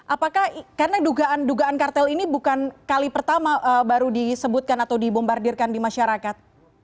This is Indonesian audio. apakah karena dugaan dugaan kartel ini bukan kali pertama baru disebutkan atau dibombardirkan di masyarakat